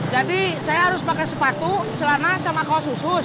jadi saya harus pake sepatu celana sama kaos usus